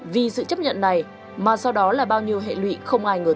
vì sự chấp nhận này mà sau đó là bao nhiêu hệ lụy không ai ngờ tới